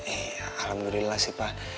eh alhamdulillah sih pak